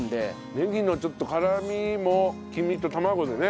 ねぎのちょっと辛みも黄身と卵でね